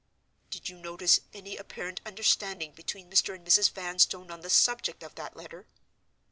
"Did you notice any apparent understanding between Mr. and Mrs. Vanstone on the subject of that letter?"